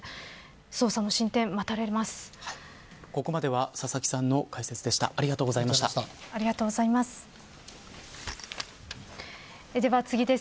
捜査の進展、待たれます。